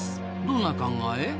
どんな考え？